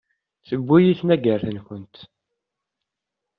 Tewwet-iyi tmagart-nkent.